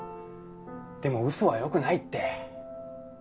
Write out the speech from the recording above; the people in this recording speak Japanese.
でも嘘はよくないって。